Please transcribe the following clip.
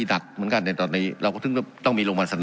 หนักเหมือนกันในเมื่อที่ตอนนี้เราก็ต้องมีโรคโรคบ้านสะดาม